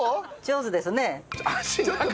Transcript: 上手ですね。